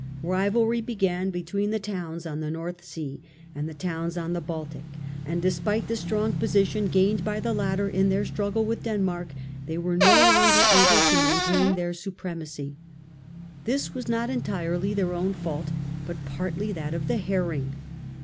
Eivalry began between the towns on the North Sea and the towns on the Baltic, and despite the strong position gained by the latter in their struggle with Denmark, they were no longer able to maintain their supremacy. This was not entirely their own fault, but partly that of the herring.